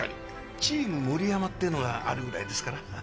チーム森山っていうのがあるぐらいですから。